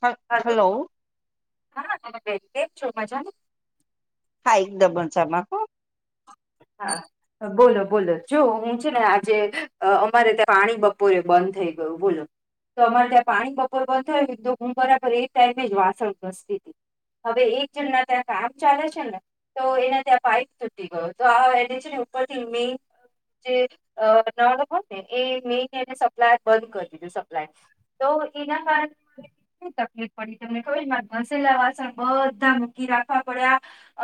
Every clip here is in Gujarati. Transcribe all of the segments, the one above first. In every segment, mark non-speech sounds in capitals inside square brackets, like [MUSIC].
હ હલો હ [UNINTELLIGIBLE] છો મજા હા એકદમરસાામાં. હા બોલો બોલો જો હું છે ને આજે અમારે ત્યાં પાણી બપોરે બંધ થઈ ગયું બોલો તો અમારે ત્યાં પાણી બપોરે બંધ થઈ ગયું તો હું બરાબર એ ટાઈમ જ વાસણ સ્થિતિ હવે એક જણના ત્યાં કામ ચાલે છે ને તો એને ત્યાં પાઈપ થી મે જેયને એ મે સપ્લાય બંધ કરી દીધું સપ્ય તો એના કારણે તકલીફ પડી તમને ખબર ઘસેલા વાસણ બધા મૂકી રાખવા પડ્યા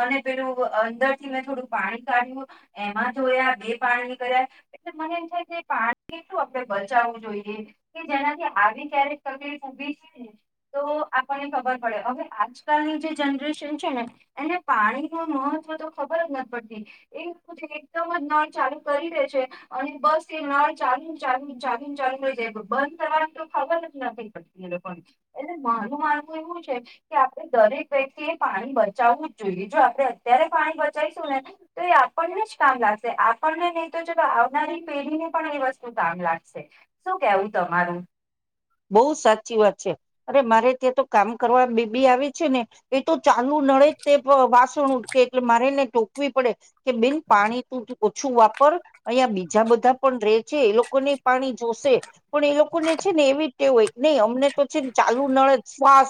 અને પેલું અંદર થી મેં થોડું પાણી કાઢ્યું એમાં જોયા બે પાણી કર્યા એટલે મને એમ થ કે પાણી એટલું આપણે બચાવવું જોઈએ કે જેનાથી આવી ક્યારેક તકલીફ ઉભી છે ને તો આપને ખબર પડે હવે આજકાલની જે જનરેશન છે ને એને પાણી ન મહત્વ તો ખબર જ નથી. એકદમ જ નળ ચાલુ કરી દે છે અને બસ એ નળ ચાલુ ચાલુ ચાલુ ને ચાલુ રહી જાય બંધ કરવાની તો ખબર જ ના પ પડતી એ લોકો એટલે મારું માનવું એવું છે કે આપડે દરેક વ્યક્તિ એ પાણી બચાવવું જ જોઈએ જો આપડે અત્યારે પાણી બચી તો એ આપણને જ કામ લાગશે આપણને નહી તો ચાલ આવનારી પેઢી ને પણ એ વસ્તુ કામ લાગશે શું કેવું તમારું. બહુ સાચી વાત છે અરે મારે ત્યાં તો કામ કરવા બેબી આવે છે ને એ તો. ચાલુ નડે તે વા ઉટકે એટલે મારેને ટોકવી પડે કે બેન પાણી તું ઓછું વાપર અહીંયા બીજા બધા પણ રે છે એ લોકોને પાણી જોશે પણ એ લોકોને છે ને એવી એક નહી અમને તો છે ને ચાલુ નળ ફાસ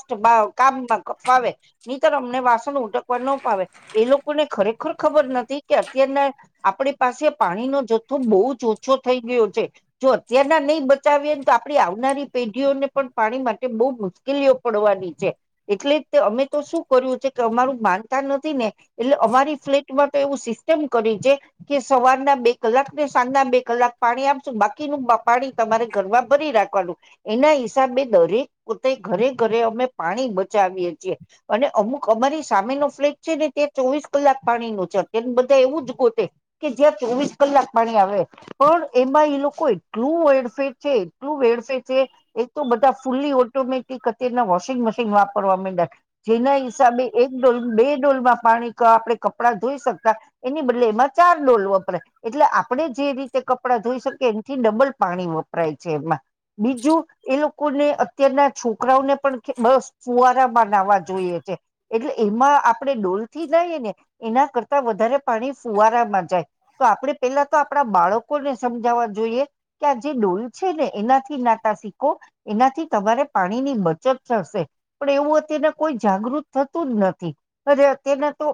કામમાં કફાવે નહીતર અમને વાસણ ઉડકવા ન પાવે એ લોકોને ખરેખર ખબર નથી કે અત્યારના આપણી પાસે પાણીનોો જથ્થો બહુ જ ઓછો થઈ ગયો છે જો અત્યારના નહી બચાવીને તો આપડી આવનારી પેઢીઓને પણ પાણી માટે બહુ મુશ્કેલીઓ પડવાની છે એટલે તે અમે તો શું કર્યું છે કે અમારું માનતા નથી ને એટલે અમારી ફ્લેટમાં તો એવું સિસ્ટમ કરી છે કે સવારના બે કલાક ને સાંજના બે કલાક પાણી આપશું બાકીનું પાણી તમારે ઘરમાં ભરી રાખવાનું. એના હિસાબે દરેક પોતે ઘરે ઘરે અમે પાણી બચાવીએ છીએ અને અમુક અમારી સામેનો ફ્લેટ છે ને ત્યાં ચોવીસ કલાક પાણી નો છે અત્ય બધા એવું જ ગતે કે જ્યાં ચોવીસ કલાક પાણી આવે પણ એમાં એ લોકો એટલું વેડફેર છે એટલું વેડફેર એ તો બધા ફૂલ્લી ઓટોમેટિક અત્યારના વોશિંગ મશીન વાપરવા માંડ્યા જેના હિસાબે એક ડોલ બે ડોલમાં પાણી આપણે કપડાં ધોઈ શકતા એની બદલે એમાં ચાર ડોલ વપરાય એટલે આપણે જે રીતે કપડાં ધોઈ શકીએ એથી ડબલ પાણી વપરાય છે એમાં બીજું એ લોકોને અત્યારના છોકરાઓને પણ બસ ફુવારામાંનાવા જોઈએ છે. એટલે એમાં આપણે ડોલ થી જઈએ ને એના કરતા વધારે પાણી ફુવારામાં જાય તો આપણે પેલા તો આપણા બાળકોને સમજાવવા જોઈએ કે આ જે ડોલ છે ને એના નાતા શીખો એનાથી તમારે પાણી ની બચત થશે પણ એવું અત્યના કોઈ જાગૃત થતું જ નથી અરે અત્યના તો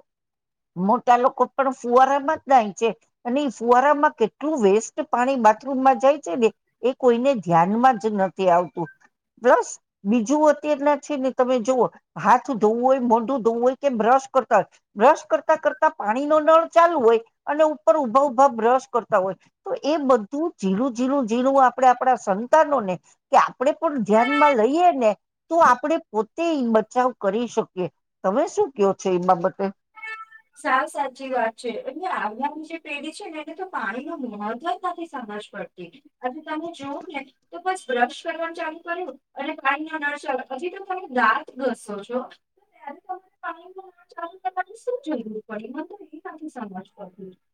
મોટા લોકો પણ ફુવારામાં જ નાય છે અને ફુવારામાં કેટલું વેસ્ટ પાણી બાથરૂમમાં જાય છે ને એ કોઈને જ નથી આવતું પ્લસ બીજું અત્યારના છે ને તમે જોુઓ હાથ ધોવું હોય મોંઢું ધોવું હોય કે બ્રશ કરતા હોય બ્રશ કરતા કરતા પાણી નો નળ ચાલુ હોય અને ઉપર ઉભા ઉભા બ્રશ કરતા હોય તો એ બધું ઝીણું ઝીણું ઝીણું આપણેે આપણા સંતાનોને કે્યા આપણે પણ ધ્યાનમાં લઈએ ને તો આપણે તે બચાવ કરી શકીએ તમે શું કયો છો એ બાબતે સાવ સાચી વાત છે એટલે આવનારી જે પેઢી છે ને એને તો પાણી ન મહત્વ જ નથી સમજ પડતી હજ તમે જોવ ને તો બસ બ્રશ કરવાનું ચાલુ કર્યું અને પાણી ન નળ ચાલુ હજી તો તમે દાંત ઘસો છો ત્યારે પાણી ન નળ ચાલુ કરવાનું. એ સમજડતી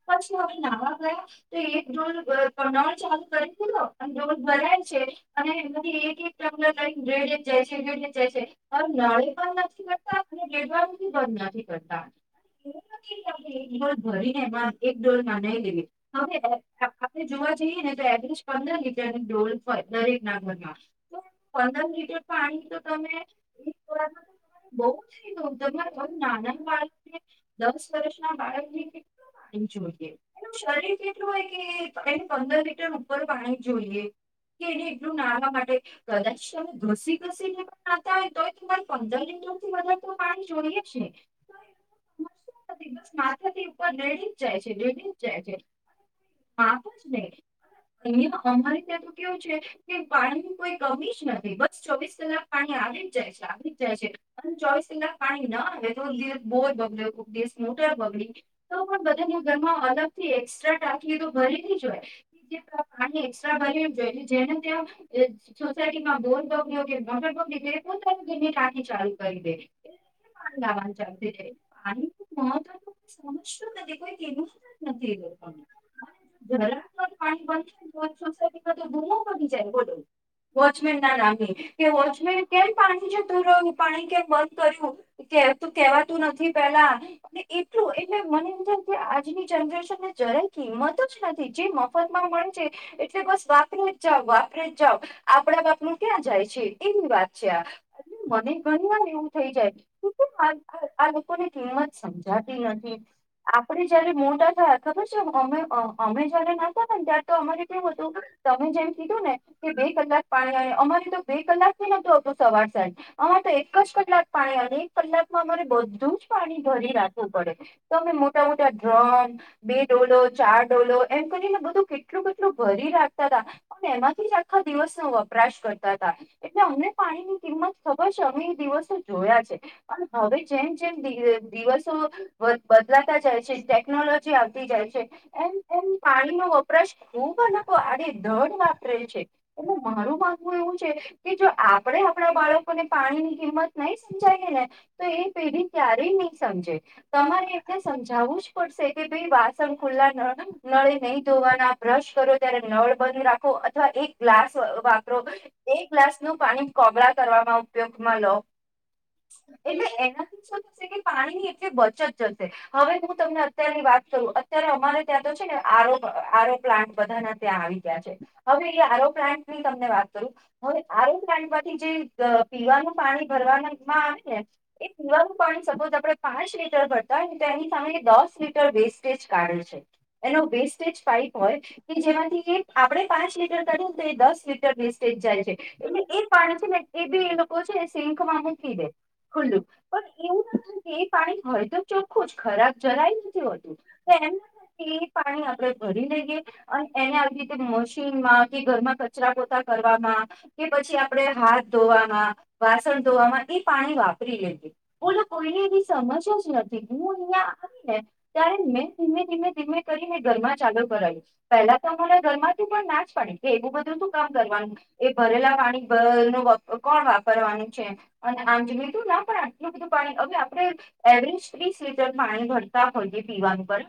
પછી હવે નાવા ગયા તો એકોલ નળ ચાલુ કરી દીધો ડોલ ભરાય છે અને એ એક એક લને રેડ જાય છે રેડ જાય છે હવે નળે બ નથી કરતા રેડવાનુંી બંધ નથી કરતા. એક ડોલ ભરીને એક ડોલ નાનાવી લેવી હવે આપણે જોવા જઈએ ને તો એવરેજ પંદર લીટરની ડોલય દરેક ના ઘરમાં તો પંદર લીટર પાણી તો ત બ નાના વાળ દસ વર્ષ ના બાળકનેણી જોઈએ શરીર કેટલું હોય કે એ પંદર લીટર ઉપર પાણી જોઈએ કે એને એટલું નાવા માટે કદાચ ઘસી ઘસીને નાતા હોય તો તમારે પંદર લીટરથી વધારે પાણી જોઈએ છે. બસ માથા થી ઉપર નડી. જાય છે લ જ જાય છે જને અહ અમારે ત્યાં તો કેવું છે કે પાણીની કોઈ કમી જ નથી બસ ચોવીસ કલાક પાણી આવી જ જાય છે આવી જ જાય છે અને ચોવીસ કલાક પાણી ના આવે તોવ બ જ. દિવ મોટર બગડી તો પણ બધા ઘરમાં અલગ થી એસ્ટ્રા ટાંકી તો ભરી જ હોય જે પાણી એસ્ટ્રા ભર જોઈ જેને ત્યાં સોસાયટીમાં બોન બગડ્યો કે મોટર બગડી પોતાના ઘરની ટાંકી ચાલુ કરી દે એ પાણી લાવવાનું ચાલતી વ સમજતું નથી કોઈવ જ નથી લોકોરા પાણી બ થાય સોાયમાં તો ધૂમો પની જાય બોલો વોચમેન ના નામે કે વોચમેન કેમ પાણી છે તું રહ પાણી કેમ બંધ કર્યું કે તું કેવાતું નથી. પેલા એટલું એટલે મને એજ કે આજની જનરેશન ને જરાય કિંમત જ નથી જે મફત માં મળે છે એટલે બસ વાપરે જ જાાવ વાપરે જ જાવ આપડા બાપનું ક્યાં જાય છે એવી વાત છે આ મને ઘણી વાર એવું થઈ જાય. ની કિંમત સમજાતી નથી આપડ જયારે મોટા થયા ખબર છે અમે અમે જયારે ના થ ને ત્યારે તો અમારે કેું હતું તમે જેમ કીધું ને કે બે કલાક પાણી આવે અમારે તો બે કલાક થી નતું હતું સવાર સાઠ અમારે તો એક જ કલાક પાણી આવે એક કલાકમાં અમારે બધું જ પાણી ભરી રાખવું પડે તો અમે મોટા મોટા ડ્રમ બે ડોલો ચાર ડોલો એમ કરીને બધું કેટલું કેટલું ભરી રાખતા હતાા પણ એમાંથી જ આખા દિવસનોો વપરાશ કરતા હતા એટલે અમને પાણીની કિંમત ખબર છે અમે એ દિવસો જોયા છે પણ હવે જેમ જેમ દિવસો બદલાતા જાય છે ટેકનોલોજી આવતી જાય છે એમ એમ પાણીનો વપરાશ ખુબ અ લોકોકો આડ દડ વાપરે છે એટલે મારું માનવું એવું છે કે જો આપણે આપણા બાળકોને પાણીની કિંમત નહી સમજાયએ ને તો એ પેઢ ત્યારે નહી સમજે તમારે એટલે સમજાવવું જ પડશે કે ભાઈ વાસણ ખુલ્લા નળે નહી ધોવાના બ્રશ કરો ત્યારે નળ બંધ રાખો અથવા એક ગ્લાસ વાપરો એક ગ્લાસનુંું પાણી કોબળ કરવાવામાં ઉપયોગમાં લો એટલે એના પાણીની એટલી બચત જશે હવે હું તમને અત્યારની વાત કરું અત્યારે અમારે ત્યાં તો છે ને આરો આરો પ્લાન્ટ બધાના ત્યાં આવી ગયા છે હવે એ આરો પ્લાન્ટની તમ વાત કરું હવે આરો પ્લાન્ટ માંથી જે પીવાનું પાણી ભરવાના આવે ને એ પીવા સપોઝ આપણે પાંચ લીટર ભરતા હોય ને તો એની સામે દસ લીટર વેસ્ટેજ કાઢે છે એનો વેસ્ટેજ પાઈપ હોય કે જેમાંથી આપણે પાંચ લીટર કી ને તો એ દસ લીટર વેસ્ટેજ જાય છે એટલે એ પાણી છે ને એ બી એ લોકો છે સેંકમાં મૂકી દે ખુલ્લું પણ એવું ના થ એ પાણી હવે તો ચોખ્ખું જ ખરાબ જરાય નથી હોતું એમ એ પાણી આપણે ભરી લઈએ અને એને આવી રીતે મશીનમાં કે ઘરમાં કચરા પોતા કરવામાં કે પછી આપણે હાથ ધોવામાં વાસણ ધોવામાં એ પાણી વાપરી લઈએ. બોલો કોઈને એવી સમજ જ નથી હું અહં આવી ને ત્યારે મેં ધીમે ધીમે ધીમે કરીને ઘરમાં ચાલુ કરું પેલા તો મને ઘરમાંથી પણ ના જ પાડી કે એવું બધું તું કામ કરવાનું એ ભરેલા પાણી ન કોણ વાપરવાનું છે અને આમ જી તું ના પણ હવે આપડણે એવરેજ ત્રીસ લીટર પાણી ભરતા હોઈ પીવા ઉપર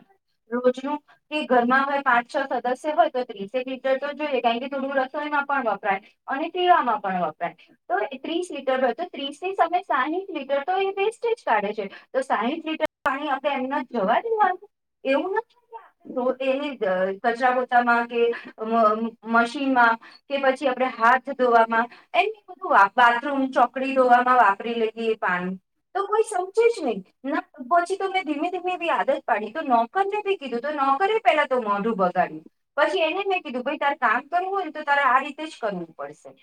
રોજનું કે ઘરમાં હોય પાંચ છ સદસ્ય હોય તો ત્રીસે એક લીટર તો જોઈએ કારણ કે થોડું રસણમાં પણ વપરાય અને પીવામાં પણ વપરાય તો ત્રીસ લીટર હોય તો ત્રીસ સમય સાહીઠ લીટર તો એ વેસ્ટેજ કાઢે છે તો સાહીઠ લીટર પાણી આપણે એમના જવા દેવા એવું નથી એ કચરાપોતામાં કે મશીનમાં કે પછી આપણે હાથ ધોવામાં એ બધુ બાથરૂમ ચોકડી ધોવામાં વાપરી લીતી એ પાણી તો નહી પછી તો મેં ધીમે ધીમે બી આદત પાડી તો નોકરને બી કીધું તો નોકરે પેલા તો મોઢું બગાડ્યું પછી એને મેં કીધું તારે કામ કરવું હોયને તો તારે આ રીતે જ કરવું પડશે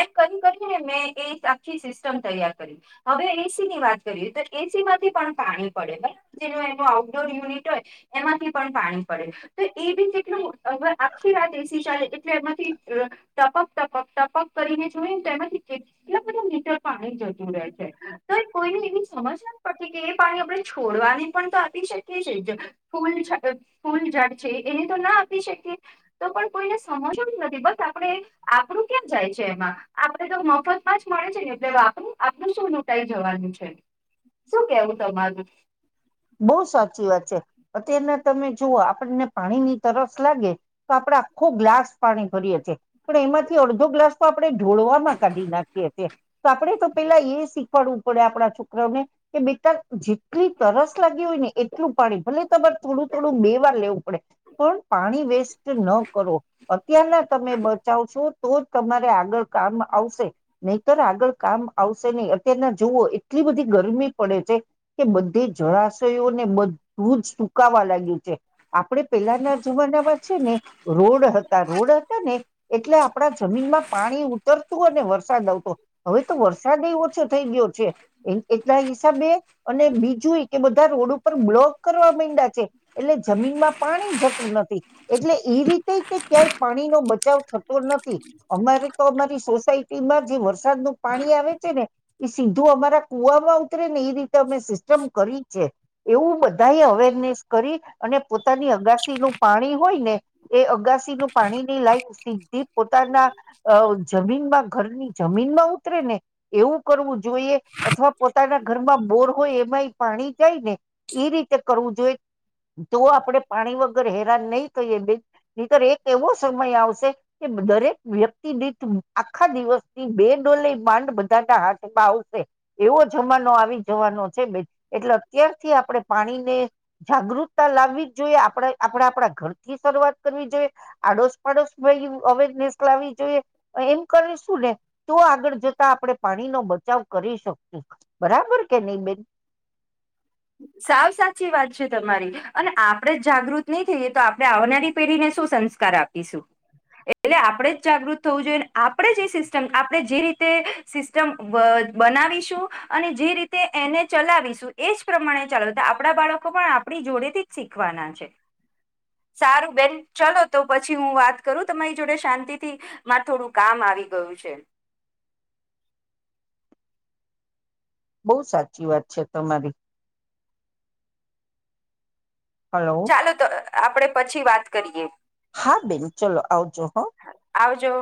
એમ કરી કરીને મેં એ આખી સિસ્ટમ તૈયાર કરી હવે એસીની વાત કરીએ તો એસીમાંથી પણ પાણી પડે બરાબ જે એ આઉટડોર યુનિટ હોય એમાંથી પણ પાણી પડે તો એબી કેટલું હવે આખી વાત એસી ચાલે એટલે એમાંથી ટપક ટપક ટપક કરીને જોયું ને તો એમાંથી કેટલા બધા મીટર પાણી જતું રહે છે. તો કોઈને એવી સમજ નથી પડતી કે એ પાણી આપણે છોડવાની પણ તો આપી શકીએ છે જ ફૂલ ફૂલઝાડ છે એને તો ના આપી શકીએ તો પણ કોઈને સમજવું જ નથી બસ આપણે આપણું ક્યાં જાય છે એમાં આપણે તો મફતમાં જ મળે છે ને એટલેું આપણું શું જવાનું છે શું કેવું તમારું બહુ સાચી વાત છે અત્યારના તમે જોઓ આપણને પાણીની તરસ લાગે તો આપડે આખો ગ્લાસ પાણી ભરીએ છીએ પણ એમાંથી અડધો ગ્લાસ તો આપણે ઢોળમાં કાઢી નાખીએ છીએ તો આપણે તો પેલા એ શીખવાડવું પડે આપણા છોકરાને કે બેટા જેટલી તરસ લાગી હોય ને એટલું પાણી ભલે તમારે થોડું થોડું બે વાર લેવું પડે પણ પાણી વેસ્ટ ન કરો અત્યારના તમે બચાવશો તો જ તમારે આગળ કામ આવશે નહીતર આગળ કામ આવશે નહી અત્યારના જુવઓ એટલી બધી ગરમી પડે છે કે બધી જ જળાશયોને બધું જ સુકાવા લાગ્યું છે આપડે પેલાના જમાનામાં છે ને રોડ હતા રોડ હતા ને એટલે આપણા જમીનમાં પાણી ઉતરતું અને વરસાદ આવતો હવે તો વરસાદ ઓછો થઈ ગયો છે એટલા હિસાબે અને બીજું એ બધા રોડ ઉપર બ્લોક કરવા માયડા છે એટલે જમીનમાં પાણી જતું નથી એટલે એ રીતે તે ક્યાંય પાણીનો બચાવ થતો નથી અમારે તો અમારી સોસાયટીમાં જે વરસાદનું પાણી આવે છે ને એ સીધું અમારા કુવામાં ઉતરે ને એ રીતે અમે સિસ્ટમ કરી છે એવું બધા એ અવેરનેસ કરી અને પોતાની અગાસીનું પાણી હોય ને એ અગાસીનું પાણીની લાઈફ સીધી પોતાના અ જમીનમાં ઘરની જમીનમાં ઉતરે ને એવું કરવું જોઈએ અથવા પોતાના ઘરમાં બોર હોય એમાંય પાણી જાયને એ રીતે કરવું જોઈ તો આપડે પાણી વગર હેરાન નહી થઈએ બેન નીતર એક એવો સમય આવશે કે દરેક વ્યક્તિ દીથ આખા દિવસથી બે ડોલે માંડ બધાના હાથમાં આવશે એવો જમાનો આવી જવાનો છે બેન એટલે અત્યારથી આપણે પાણીને જાગૃતતા લાવવી જ જોઈએ આપણે આપણે આપણા ઘરથી શરૂઆત કરવી જોઈએ આડોશ પાડોશ ભઈ અવેરનેસ લાવવી જોઈએ એમ કરીશું ને તો આગળ જતા આપણે પાણીનો બચાવ કરી શકશું બરાબર કે નહી બેન સાવ સાચી વાત છે તમારી અને આપણેે જ જાગૃત નહી થઈ જઈએ તો આપણે આવનારી પેઢીને શું સંસ્કાર આપીશું એટલે આપણેે જ જાગૃત થવું જોઈએ આપણે જે સિસ્ટમ આપણે જે રીતે સિસ્ટમ બનાવીશું અને જે રીતે એને ચલાવીશું એજ પ્રમાણે ચાલો આપણા બાળકો પણ આપણી જોડેથી જ શીખવાના છે સારું બેન ચલો તો પછી હું વાત કરું તમારી જોડે શાંતિથી મારે થોડું કામ આવી ગયું છે. બહુ સાચી વાત છે તમારી હલો ચાલો તો આપડે પછી વાત કરીએ. હા બેન ચલો આવજો હ આવજો